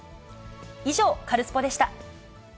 以上、カルスポっ！でした。